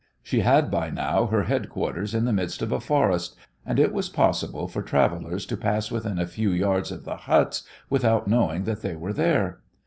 She had by now her headquarters in the midst of a forest, and it was possible for travellers to pass within a few yards of the huts without knowing that they were there.